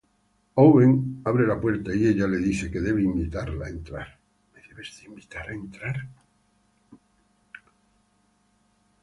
Owen abre la puerta y ella le dice que debe invitarla a entrar.